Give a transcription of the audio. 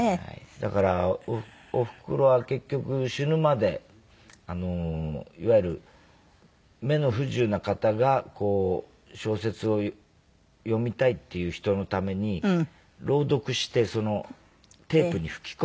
だからおふくろは結局死ぬまでいわゆる目の不自由な方が小説を読みたいっていう人のために朗読してテープに吹き込むっていうのを。